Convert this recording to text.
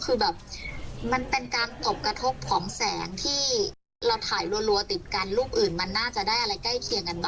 คือมันเป็นการปกกรรศกผลองแสงที่